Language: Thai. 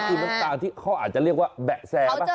มีมีแม่พิมพ์ที่เขาอาจจะเรียกว่าแบะแซร